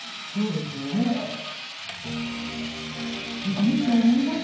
すごいと思いませんか？